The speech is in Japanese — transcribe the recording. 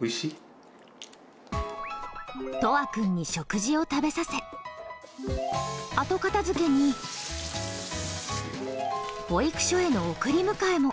詠羽君に食事を食べさせ後片付けに保育所への送り迎えも。